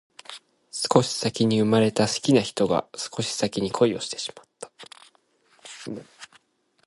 少し先に生まれた好きな人が少し先に恋をしてしまった